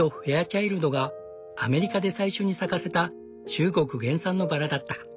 チャイルドがアメリカで最初に咲かせた中国原産のバラだった。